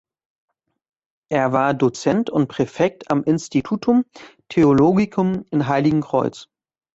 Er war Dozent und Präfekt am Institutum Theologicum in Heiligenkreuz.